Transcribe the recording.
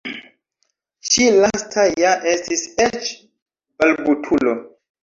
Ĉi lasta ja estis eĉ balbutulo!